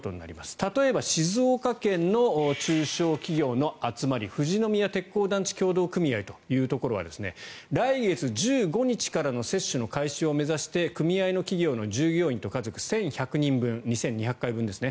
例えば静岡県の中小企業の集まり富士宮鉄工団地協同組合というところは来月１５日からの接種の開始を目指して組合の企業の従業員と家族１１００人分２２００回分ですね。